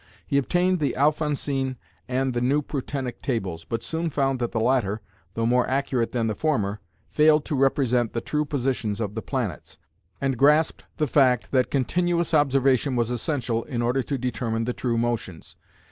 He obtained the Alphonsine and the new Prutenic Tables, but soon found that the latter, though more accurate than the former, failed to represent the true positions of the planets, and grasped the fact that continuous observation was essential in order to determine the true motions.